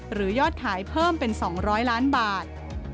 ยอดขายเพิ่มเป็น๒๐๐ล้านบาท